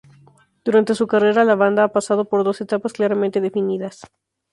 Durante su carrera, la banda ha pasado por dos etapas claramente definidas.